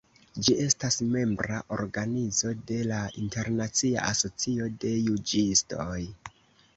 Ĝi estas membra organizo de la Internacia Asocio de Juĝistoj.